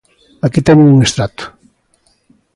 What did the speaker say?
Aquí teñen un extracto.